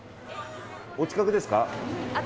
お近くですか？